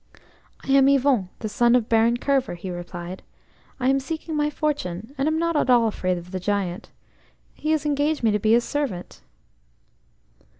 "I am Yvon, the son of Baron Kerver," he replied. "I am seeking my fortune, and am not at all afraid of the Giant. He has engaged me to be his servant."